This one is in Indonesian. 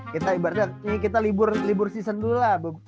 kita ibaratnya kita libur season dulu lah